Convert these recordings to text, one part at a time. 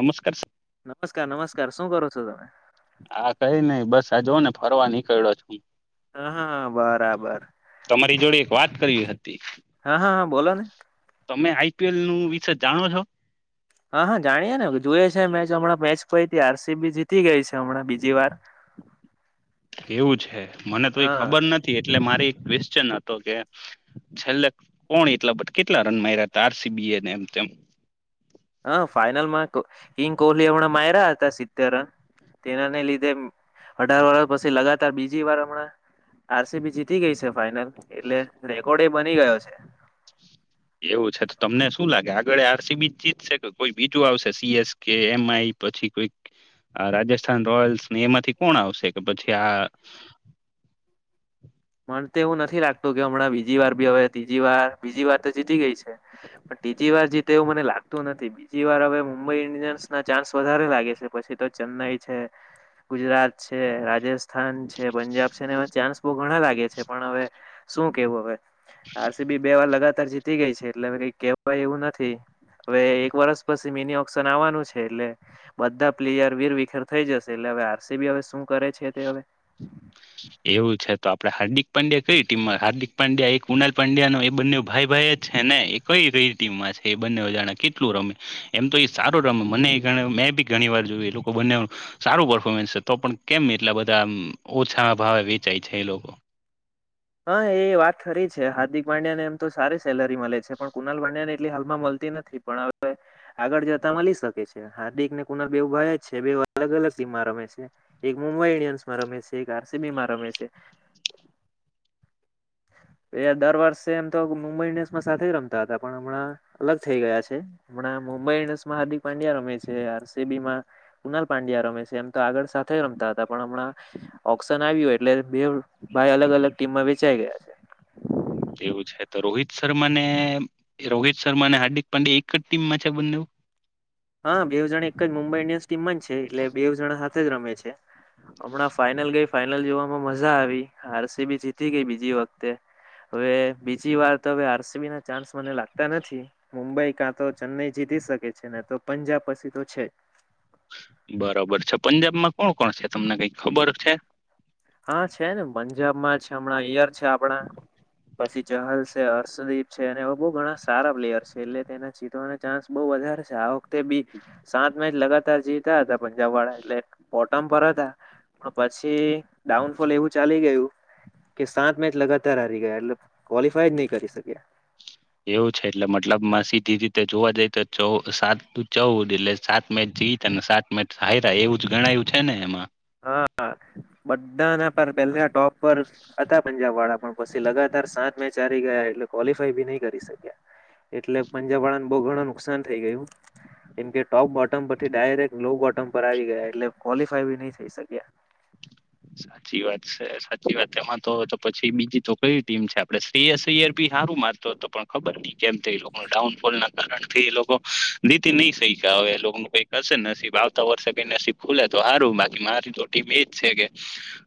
નમસ્કાર નમસ્કાર નમસ્કાર શું કરો છો તમે આા કઈ નહ બસ આ જો ને ફરવા નીકળ્યો છું હા હા બરાબર તમારી જોડે એક વાત કરવી હતી. હા હા હા બોલો ને. તમે આઈપીએલ નું વિષ જાણો છો. હા હા જાણીએે ને જોઈએ છે મે હમણાં મેચ પ આરસી બી જીતી ગઈ છે હમણાં બીજી વાર એવું છે મને તોઈ હા ખબર નથી એ એટલે મારે ક્વેશ્ચન હતો કે છેલ્લે કોણ એટલા કેટલા રન માર્યા હતા આરસીબીને તેમ હ ફાાઈનલમાં કિંગ કોહલી હમણાં મારા હતા સિત્તેર રન તેનાને લીધે અઢાર વરષ પછી લગાતાર બીજી વાર હમણાં આરસીબી જીતી ગઈ છે ફાઈનલ એટલે રેકોર્ડ એ બની ગયો છે. છમચિત ક કોઈ બીજું આવશે સીએસ કે એમ આઈ પછી કોઈક રાજસ્થાન રોયલ્સ એમાંથી કોણ આવશે કે પછી ક્યાં. એવું નથી લાગતું કે હમણાં બીજી વાર બી હવે ત્રીજી વાર બીજી વાર તો જીતી ગઈ છે પણ તીજી વાર જીતે એવું મને લાગતું નથી બીજી વાર હવે મુંબઈ ઈન્ડિયન્સ ના ચાન્સ વધારે લાગે છે પછી તો ચેન્નાઈ છે ગુજરાત. છે રાજસ્થાન છે પંજાબ છેને એમાં ચાન્સ બહ ઘણા લાગે છે પણ હવે. શું કેવું હવે. આરસીબી બે વાર લગા તાર જીતી ગઈ છે એટલે હવે કંઈ કેવાય એવું નથી હવે એક વર્ષ પછી મિની ઓકશન આવવાનું છે એટલે બધા પ્લેયર વીર વિખેર થઈ જશે એટલે હવે આરસી બી હવે શું કરે છે તે હવે એવું છે તો આપડે હાર્દિક પંડ્યા કઈ ટીમ હાર્દિક પંડ્યા એક કુનાલ પાંડ્યાનો એ બને ભાઈ ભાઈ છે ને એ કઈ કઈ ટીમમાં છે એ બંનેવજાણા કેટલું રમે એમ તો એ સારું રમે મને એ મેં બી ઘણી વાર જોયું એ લોકો બને સારું પર્ફોર્મન્સ તો પણ કેમ એટલા બધા એમ ઓછા ભાવે વેચાય છે એ લોકો હા એ વાત ખરી છે હાર્દિક પાંડ્યા ને એમ તો સારી સેલરી મળે છે પણ કુનાલ પાંડ્યાને એટલી હાલમાં મળતી નથી પણ હવે આગળ જતા મળી શકે છે હાર્દિક ને કુનાલ બેવ ભાઈ જ છે બે અલગ અલગ ટીમમાં રમે છે એક મુંબઈ ઈન્ડિયન્સમાં રમે છે એક આરસીબીમાં રમે છે. દર વર્ષે એમ તો મુંબઈ ઇન્ડિયન્સમાં સાથે જ રમતા હતા પણ હમણાં અલગ થઇ ગયા છે હમણાં મુંબઈ ઇન્ડિયન્સમાં હાર્દિક પાંડ્યા રમે છે આરસીબીમાં કુનાલ પાંડ્યા રમે છે એમ તો આગળ સાથે રમતા હતા પણ હમણાં ઓક્શન આવ્યું એટલે બે ભાઈ અલગ અલગ ટીમમાં વેચાય એવું છે. રોહિત શર્માને રોહિત શર્મા અને હાર્દિક પાંડે એક જ ટીમમાં છે બંનેવ હા બેવ જણ એક જ મુંબઈ ઇન્ડિયન્સ ટીમમાં જ છે એટલે બે જણા હા જ રમે છે. હમણાં ફાઈઇનલ ગઈ ફાઈ જોવામાં મજા આવી આરસીબી જીતી ગઈ બીજી વખતે હવે બીજી વાર તો હવે આરસીબી ના ચાન્સ મને લાગતા નથી. મુંબઈ કાં તો ચેન્નઈ જીતી શકે છે ને તો પંજાબ પસી તો છે. બરોબર છે પંજાબમાં કોણ કોણ છે. તમને કઈ ખબર છે. હા છે ને પંજાબમાં છે હમણાં એયર છે આપણા પછી ચહલ છે અર્ષદીપ છે અને એ બો ઘણા સારા પ્લેયર છે એટલે તેને જીતવાનો ચાન્સ બહુ વધારે છે આ વખતે બી સાત મેચ લગાતાર જીતા હતા પંજાબ વાળા એટલે પોટમ પર હતા. પણ પછી ડાઉનફોલ એવું ચાલી ગયું કે સાત મેચ લગાતાર હારી ગયા એટલે ક્વોલિફાય જ નહી કરી શક્યા એવું છે એટલે મતલબમાં સીધી રીતે જોવા જઈ તો ચૌ સાત ચૌદ એટલે સાત મેચ જીત અને સાત મેચ હાયરા એવું જ ગણાયું છે ને એમાં હા બધાના પણ પેલા ટોપ પર હતા પંજાબ વાળા પણ પછી લગાતાર સાત મેચ હારી ગયા. ક્વોલિફાય બી નહી કરી શકયા એટલે પંજાબ વાળાને બો ઘણું નુકસાન થઈ ગયું કેમ કે ટોપ બોટમ પરથી ડાયરેક્ટ લો બોટ ટમ પર આવી ગયા એટલે કો ફાઈ બી ની થાય. થઈ શકયા સાચી વાત છે સાચી વાત એમાં તો પછી બીજી તો કઈ ટીમ છે આપડે શ્રેય સૈયર ભી સારું મારતો હતો પણ ખબર નઈ કેમ એ લોકો ડાઉનફોલના કારણથી એ લોકો જીતી નહી સહ છે અવે એ લોકોનુ કઈક હશે નસીબ આવતા વર્ષે કઈ નસીબ ખુલે તો સારું બાકી મારી તો ટીમ એજ છે કે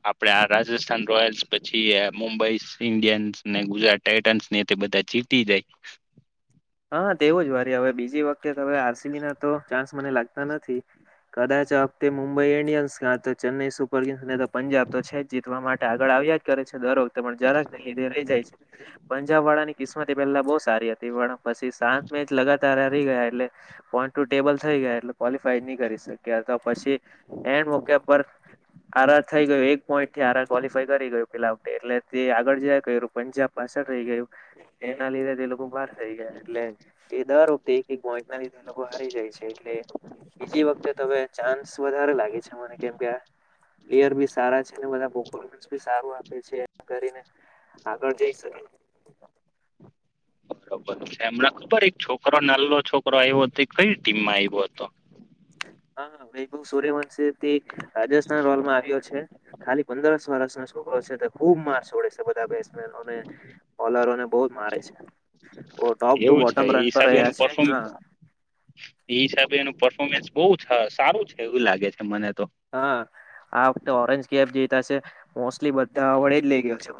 આપડે આ રાજસ્થાન રોયલ્સ પછી મુંબઈ ઇન્ડિયન્સને ગુજરાત ટાઇટન્સ ને તે બધા જીતી જાય હા તેવું જ વારી હવે બીજી વખતે અવે આરસીબી ના તો ચાન્સ મને લાગતા નથી કદાચ આ વખતે મુંબઈ ઈન્ડિયન્સ ક્યા ચેન્નાઈ સુપર કિંગ્સને પંજાબ તો છે જીતવા માટ આગળ આવ્યા જ કરે છે દરરોજ પણ જરાક નહી રહી જાય છે પંજા વાળાની કિસ્મત એ પેલા બહુ સ હતી એ વાળા પછી સાત મે જ લગતાર થ ગયા એટલે પોઈન્ટ ટ ટેબલ થઈ ગયા એટલે ક્વોલિફાય નહી કરી શક્યા અથવા પછી એડ મોક પર આરા થઈ ગય એક પોઈન્ટ થી આ કવોલિફાય ગયું પેલા એટલે તે આગળ જ ક પંજાબ પાછળ રહી ગયું એના લીધે તે લોકો બહાર થઈ ગયા એટલે એ દર વખતે એક ગોંચ ના લીધા લોકો હારી જાય છે. એટલે બીજી વખતે ચાન્સ વધારે લાગે છે. મને કેમ કે ્યર બી સારા છે બધાફોન્સ બી સારું આપે છે એ કરીને આગળ જઈ શકે બરોબર છે હમણાં ખબર એક છોકરો નાલો છોકરો આવ્યો હતો કઈ ટીમમાં આવ્યો હતો હા ભ બ સોર્ય વનશે તે રાજસ્થાન રોયલમાં આવ્યો છે ખાલી પંદર વર્ષનો છોરો છે ખુબ માર્સડે છે બધા બેટ્સમેનોને બોલરોને બહ મારે છે ટોપ ટુ એવું છે બોટમ એ રન પર હિસાબે રહ્યા એનું પરફોર્મ છે એ હિસાબે એનું પરર્ફોર્મેન્સ બહુ સારું છે એવું લાગે છે મને તો હા આ વખતે ઓરેન્જ કેબ જે બ મોસ્ટલી બધા વડે જ લઇ ગયો છે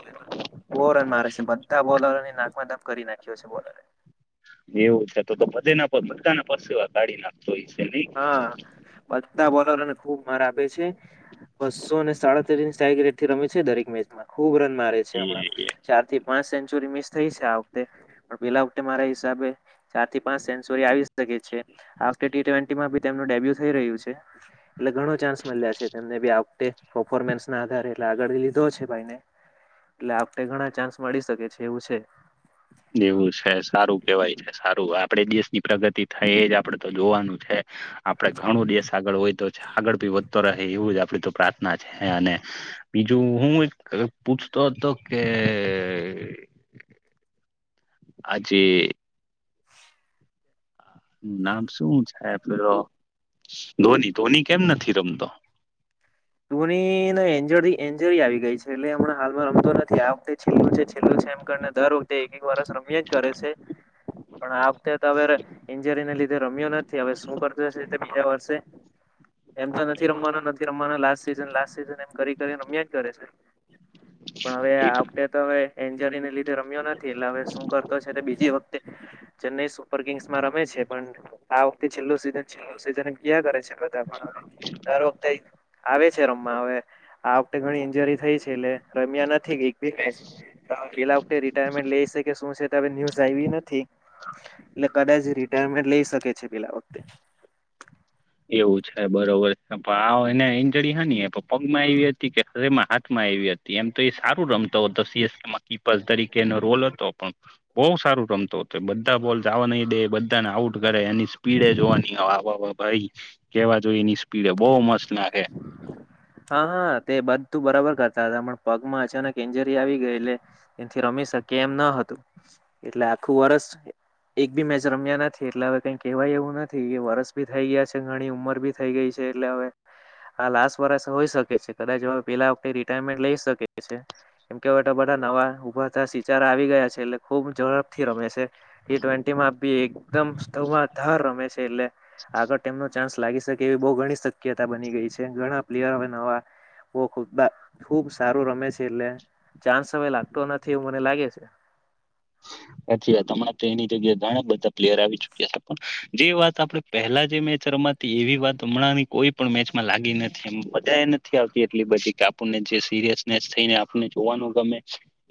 બહ રન મારે છે બધા બોલરોને નાકમાં ધબ કરી નાખે ક બોલે એવું છે તો તો બધા ના બધા ના પાસે ગાડી નાખ હા બધધા બોલોને ખુબ આપ છે બસો અને સાડાતેર રટ થી રમે છે દરેક મેચમાં ખુબ રન મારે છે હણા એ ચાર થી પાંચ સેન્ચુરી મિસ થઈ છે આ વખતે પેલા વખતે મારા હિસાબે ચાર થી પાંચ સેન્ચુરી આવી શકે છે ટીવે નું ડેબ્યુ થઈ રહ્યું છે એટલે ઘણો ચાન્સ મળ્યા છેનેફોર્મન્સ ના આધારે એ આગળ લીધો છે ભાઈને એટલે ઘણા ચાન્સ મળી શકે છે એવું છે એવું છે સારું કેવાય છે સારું આ આપણે દેશની પ્રગતિ થઈ એ જ આપડે તો જોવાનું છે આપડ ઘણો દેશ આગળ હોયતો છે આગળ ભી વધતો રહે એવું જ આપડ તો પ્રાર્થના છે અને બીજું હું પૂછતો હતો કે આજે નામ શું છે હ પેલો ધોની ધોની કેમ નથી રમતો ધોની એન્જરી એન્જરી આવી ગઈ છે એટલે હમણા હાલમાં રમતો નથી આ વખતે છેલ્લું છે છેલ્લું છે એમ કરીને દર વખતે એક એક વરષ રમ્યો જ કરે છે પણ આ વખતે હવે એન્જરીને લીધે રમ્યો નથી હવે શું કરતો હશે બીજા વર્ષે એમ તો નથી રમવાના નથી રમવાના લાસ્ટ સીઝન લાસ્ટ સીઝન એમ કરી કરી રમ્યા જ કરે છે પણ હવે આપડે તો હવે એન્જરીલ રમ્યો નથી એટલે હવે શું કરતો છે બીજી વખતે ચેન્નાઈ સુપર કિંગ્સમાં રમે છે પણ આ વખતે છેલ્લું સીઝન છેલ્લું સીઝન એમ કયા કરે છે બધા પણ દર વખતે આવે રમ હ આ વખતે ઘણી ઇન્જરી થઈ છે એટલે રમ્યા નથી પેલાખતે રટાયરમેન્ટ લઈ શકે શું છે હ ન્યુઝ આવી નથી એટલે કદાચ રિટાયરમેન્ટ લઈ શકે છે પલા વખતે એવું છે. બરોબર. એમપણ આવો એને ઇંજરી હની એ પ્પ પગ માં આવી હતી કે હરેમાં હાથમાં આવી હતી. એમ તો એ સારું રમતો હતો. સીએસકેમાં કીપર્સ તરીકેનો રોલ હતો. પણ બહુ સારું રમતો હતો. બધા બોલસવા નહી દે, બધાને આઉટ કરે. એની સ્પીડે જોવા નો [unintelligible] ભાઈ કેવા જોઈએ નિ પીડે બહ મસ્ત નાખે હા હા તે બધ તું બરાબર કરતા હતા. પણ પગમાં અચાનક એન્જરી આવી ગઈ, એટલે એથી રમી શકે એમ ન હતું. એટલે આખું વરષ એક બી મેચ રમ્યા નથી. એટલે હવે કઈ કેહેવાય એવું નથી. એ વરષ બી થઈ ગયા છે. ઘણી ઉંમર બી થઈ ગઈ છે. એટલે હવે આ લાસ્ટ વર્ષ હોઈ શકે છે. કદાચ પેલા વખતે રિટાયરમેન્ટ લઈ શકે કે છે. કેમકે હવે તો બધા નવા ઉભરતા સિતારા આવી ગયા છે. એટલે ખુબ ઝડપથી રમે છે. ટી ટ્વેન્ટી માં બી એકદમ સ્થુવા ધાર રમે છે. એટલે આગળ તેમનો ચાન્સ લાગી શક કેવી બઉ ગણી શક્યતા બની ગઈ છે. ઘણા પ્લેયર હવે નવા બોખુદા ખુબ સારું રમે છે. એટલે ચાન્સ હવે લાગતો નથી એવું મને લાગે છે. સાચી વાત. હમણાં તો એની જગ્યા ઘણા બધા પ્લેયર આવી ચુક્યા છે. પણ જે વાત આપણે પહેલા જે મેચ રમાતી. એવી વાત હમણાં ની કોઈ પણ મેચ માં લાગી નથી. એમ બધા એ નથી આવતી એટલી બધી. કે આપણને જે સિરિયસનેસ થઈને આપને જોવાનું ગમે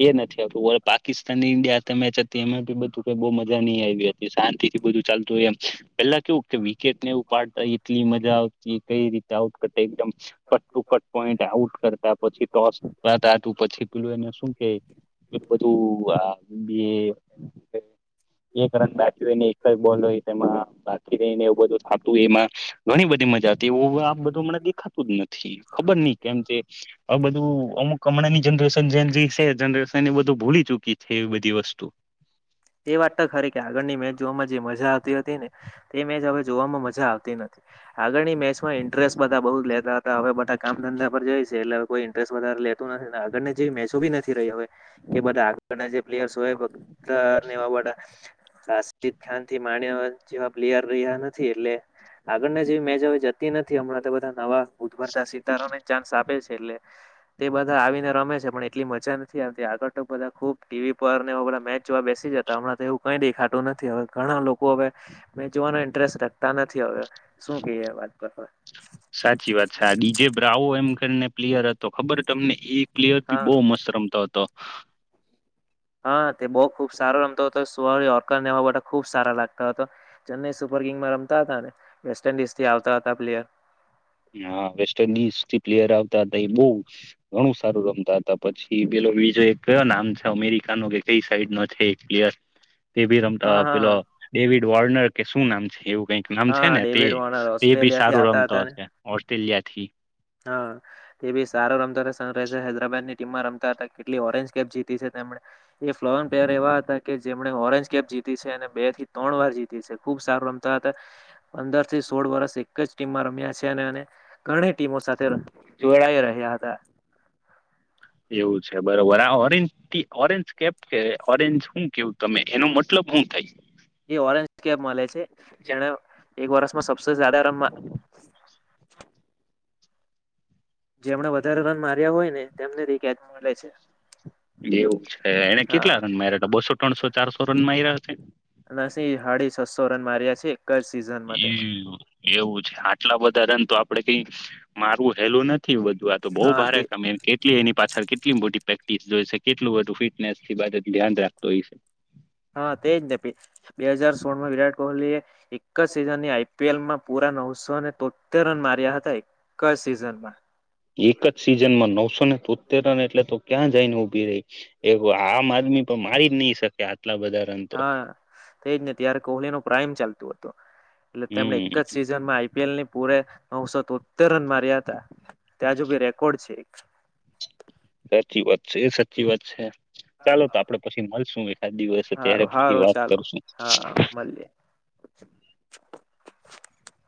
એ નથી આપું પાકિસ્તાન ઇન્ડિયા મેચ હતી. એમાં બી બધું કે બહુ મજા નહિ આવી હતી. શાંત થી બધું ચાલતુ હોય એમ પહેલા કેવુ કે વિકેટ ને એવું પાડતા એટલી મજા આવતી. કઈ રીતે આઉટ કરતા, એકમ cut to cut point out કરતા, પછી ટોસ કરતા, પછી પેલું એને શું કે પેલું બધું આ એ એક રન બાકી હોઈને એકજ બોલ હોય તેમાં બાકી રહીને એવ બધું આખું એમાં ઘણી બધી મજાતી. એવુ આ બધું હમણાં દેખાતું જ નથી. ખબર નહી કેમ કે આ બધું અમુક હમણાં ની જનરેશન જેનજી છે. જરેશન ને બધું ભૂલી ચુકી છ એવી બધી વસ્તુ એ વાત તો ખરી, કે આગળની મેચ જોવાવામાં જે મજ જા આવતી હતીને, તે મેચ હવે જોવામાં મજા આવતી નથી. હાલ આગળની મેચમાં ઇન્ટરેસ્ટ બધા બહુ જ લેતા હતા. હવે બા કામ ધંધા પર જાય છે. એટલે કોઈ ઇન્ટરેસ્ટ વધારે લેતું નથી. ને આગળની જે મેચો બી નથી રહી હવે. કે બધા આગળના જે પ્લેયર્સ હોય બધા ને એવા બધાં. આસ્તિ ખાનથી માંડીને હવે જેવા પ્લેયર રહ્યા નથી. એટલે આગળને જે મેચ હવે જતી નથી. હમણાં તો બધા નવા ઉદભરતા સિતારોને ચાન્સ આપે છે. એટલે તે બધા આવીને રમે છે. પણ એટલી મજા નથી આવતી. આગળ તો બધા ખુબ ટીવી પર નેએવા બધા મેચ જોવા બેસી જતા હમણાં તો એવું કઈ દેખાતું નથી. હવે ઘણા લોકો હવે મેચ જોવાનો ઇન્ટરેસ્ટ રખતા નથી. હવે શું કે આ વાત પર હવે. સાચી વાત છે. આ ડીજે બ્રાવો એમ કરીને પ્લીયર હતો ખબર તમને એક પ્લેયર પી હા બહુ મસ્ત રમતો હતો. હા તે બહુ ખુબ સારો રમતો હતો. સુવા હોર્કર ને એવા બધા ખુબ સારા લાગતો હતો. ચેનંઈ સુપર કિંગમાં રમતા હતા ને. વેસ્ટ ઇન્ડિઝ થી આવતા હતા પ્લેયર. હા વેસ્ટ ઇન્ડિઝ થી પ્લેયર આ હતા એ બહુ, ઘણું સારું રમતા હતા પછી. પેલો બીજું એક કયો નામ છે અમેરિકા નો કે તે સાઈડ નો છે એક પ્લેયર તે ભી રમતો હા હા પેલો હા ડેવિડ વોર્નર કે શું નામ છે એવું કઈક નામ છે હા ને તે ડેવિડ વોર્નર એ બી ઓસ્ટ્રેલિયા થી સારું આવતા હતા રમતો ઓસ્ટ્રેલિયાથી હા તે બી સારો રમતા હતા સનરાઈઝર હૈદરાબાદની ટીમમાં રમતા હતા કેટલી ઓરેન્જ કેપ જીતી છે તેમણે એ ફ્લોરન પ્લેયર એવા હતા કે જેમણે ઓરેન્જ કેપ જીતી છે અને બે થી ત્રણ વાર જીતી છે ખુબ સારું રમતા હતા. પંદર થી સોળ વર્ષ એક જ ટીમમાં રમ્યા છે અને ગણે ટીમો સાથે જોડાઈ રહ્યા હતા. એવું છે બરોબર આ ઓરેન્જતી ઓરેન્જ કેપ કે ઓરેન્જ શું કેવું તમે એનો મતલબ હુ થાય. એ ઓરેન્જ કેપ મલે છે જેને એક વર્ષમાં સ જાદા રમાં જેમણે વધારે રન માર્યા હોય ને તેમને રીકેજ મલે છે. એવું છે એને કેટલા હા રન મા્યા હતા બસો ત્રણસો ચારસો રન માયા આવ્યા છે. સો રન માર્યા છે. જ સિઝનમાં તેમણે એ એવું આટલા બધા રન તો આપડે કઈ મારું હેલું ન થી વધુ આ તો બહુ હા ભારે તે કમે કેટલી એની પાછળ કેટલી મોટી પ્રેક્ટિસ જોય છે કેટલું બધું ફિટનેસ થી ધ્યાન રાખતો હોય છે. હા તેજ ને બે હાજાર સોળ માં વિરાટ કોહલી એ એક સીઝની આ પીઅવલમાં પુરા નવસો ને તોતેર રન માર્યા હતા‌એક જ સીઝનમાં એક જ સિઝન માં નવસો ને તોતેરને એટલે તો ક્યાં જઈને ઉભી રહી એ આમ આદમી તો મારી જ નહી શકે આટલા બધા રન તો હા તો હતો એટલે તેમણે એક હમ જ સિઝનમાં આઈપીએલ ની પૂરે નવસો તો તેર રન માર્યા હતા ત્યાંજુબી રેકોર્ડ છે. સાચી વાત છે એ સાચી વાત છે. ચાલો તો આપડે પછી મલશું. આ દિવસે ત્યારે હારો છી હારો વાત ચાલો કરશું. હા મળીએ [inaudible]